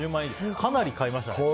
かなり買いましたね。